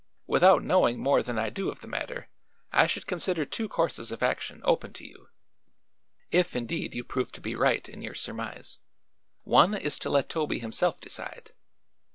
Without knowing more than I do of the matter, I should consider two courses of action open to you if, indeed, you prove to be right in your surmise. One is to let Toby himself decide."